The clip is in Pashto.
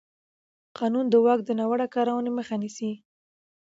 قانون د واک د ناوړه کارونې مخه نیسي.